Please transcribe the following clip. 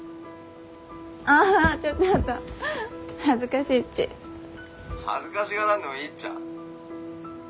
あ恥ずかしいっち。恥ずかしがらんでもいいっちゃ。